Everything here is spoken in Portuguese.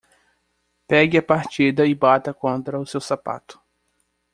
Pegue a partida e bata contra o seu sapato.